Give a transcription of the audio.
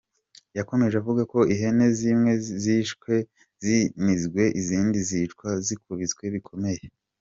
Yakomeje avuga ko ihene zimwe zishwe zinizwe izindi zicwa zikubiswe bikomeye.